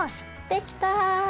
できた！